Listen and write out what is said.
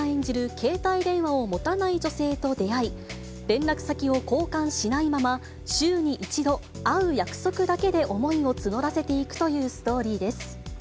携帯電話を持たない女性と出会い、連絡先を交換しないまま、週に１度会う約束だけで思いを募らせていくというストーリーです。